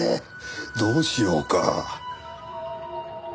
どうしようか？